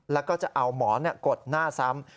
แล้วก็จะเอาหมอนกดหน้าซ้ำ